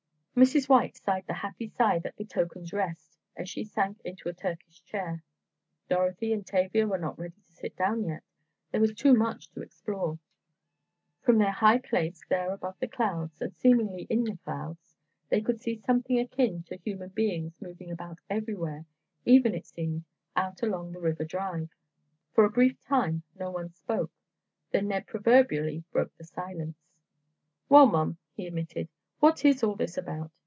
Mrs. White sighed the happy sigh that betokens rest, as she sank into a Turkish chair. Dorothy and Tavia were not ready to sit down yet—there was too much to explore. From their high place, there above the crowds, and seemingly in the clouds, they could see something akin to human beings moving about everywhere, even, it seemed, out along the river drive. For a brief time no one spoke; then Ned "proverbially" broke the silence. "Well, Mom," he emitted, "what is it all about?